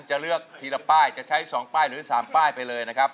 จะเลือกทีละป้ายจะใช้๒ป้ายหรือ๓ป้ายไปเลยนะครับ